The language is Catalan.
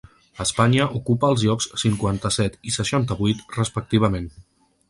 Espanya ocupa els llocs cinquanta-set i seixanta-vuit, respectivament.